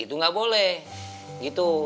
itu gak boleh gitu